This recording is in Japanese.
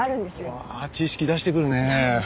うわ知識出してくるね。